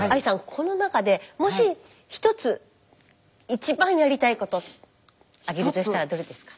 この中でもし一つ一番やりたいこと挙げるとしたらどれですか？